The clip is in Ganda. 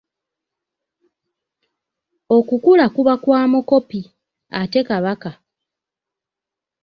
Okukula kuba kwa mukopi, ate Kabaka?